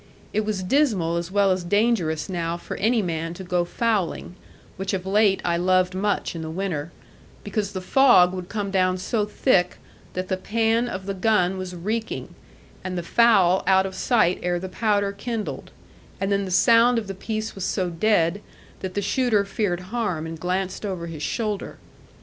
It was dismal as well as dangerous now for any man to go fowling (which of late I loved much in the winter) because the fog would come down so thick that the pan of the gun was reeking, and the fowl out of sight ere the powder kindled, and then the sound of the piece was so dead, that the shooter feared harm, and glanced over his shoulder.